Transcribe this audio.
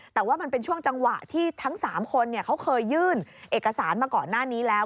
แต่ว่ามันเป็นช่วงจังหวะที่ทั้ง๓คนเขาเคยยื่นเอกสารมาก่อนหน้านี้แล้ว